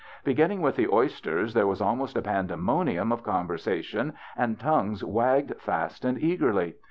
Beginning with the oysters, there was almost a pandemonium of conversation, and tongues wagged fast and eagerly.